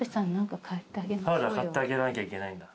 買ってあげなきゃいけないんだ。